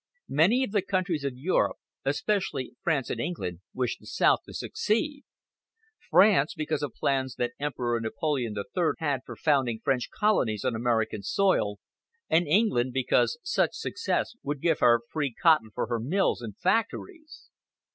Many of the countries of Europe, especially France and England, wished the South to succeed. France because of plans that Emperor Napoleon III had for founding French colonies on American soil, and England because such success would give her free cotton for her mills and factories.